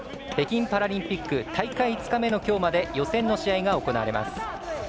北京パラリンピック大会５日目のきょうまで予選の試合が行われます。